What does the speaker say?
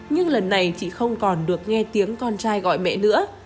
nhưng lần này chị không còn được nghe tiếng con trai gọi mẹ nữa